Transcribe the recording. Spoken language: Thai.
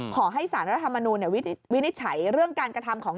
ขอให้สารรัฐธรรมนูลวินิจฉัยเรื่องการกระทำของ